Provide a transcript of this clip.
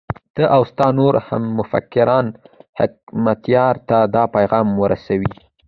ته او ستا نور همفکران حکمتیار ته دا پیغام ورسوئ.